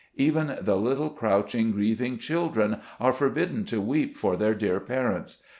Even the lit tle crouching, grieving children, are forbidden to weep for their dear parents.